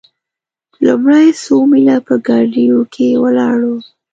لومړي څو میله په ګاډیو کې ولاړو.